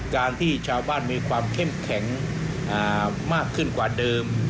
การที่ชาวบ้านมีความเข้มแข็งมากขึ้นกว่าเดิม